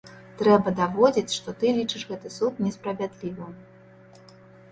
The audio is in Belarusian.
Трэба даводзіць, што ты лічыш гэты суд несправядлівым.